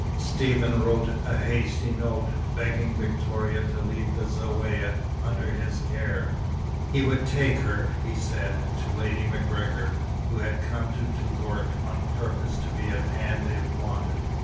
Stephen wrote a hasty note, begging Victoria to leave the Zaouïa under his care. He would take her, he said, to Lady MacGregor, who had come to Touggourt on purpose to be at hand if wanted.